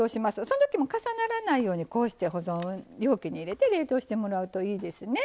その時も重ならないようにこうして保存容器に入れて冷凍してもらうといいですね。